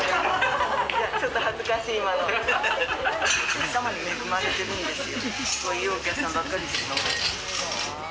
お客様に恵まれてるんですよ。